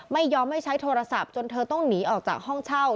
ไม่ยอมให้ใช้โทรศัพท์จนเธอต้องหนีออกจากห้องเช่า